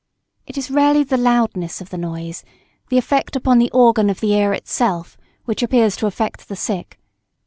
It is rarely the loudness of the noise, the effect upon the organ of the ear itself, which appears to affect the sick.